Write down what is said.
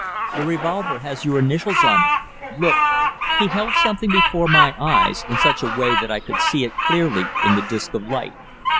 The revolver has your initials on it look." He held something before my eyes, in such a way that I could see it clearly in the disc of light.